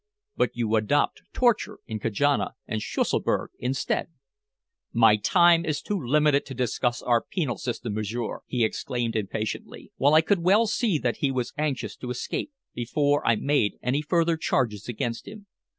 "But you adopt torture in Kajana and Schusselburg instead." "My time is too limited to discuss our penal system, m'sieur," he exclaimed impatiently, while I could well see that he was anxious to escape before I made any further charges against him.